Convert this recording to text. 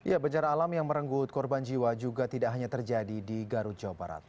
ya bencana alam yang merenggut korban jiwa juga tidak hanya terjadi di garut jawa barat